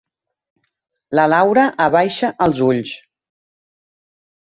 La Laura abaixa els ulls.